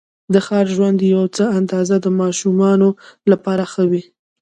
د ښار ژوند یوه څه اندازه د ماشومانو لپاره ښه وې.